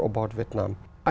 câu hỏi tiếp theo xin lỗi